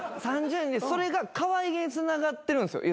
３０人それがかわいげにつながってるんすよ。